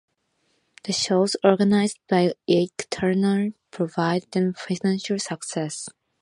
The shows, organized by Ike Turner, provided them financial success.